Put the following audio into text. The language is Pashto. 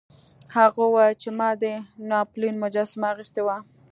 هغه وویل چې ما د ناپلیون مجسمه اخیستې وه.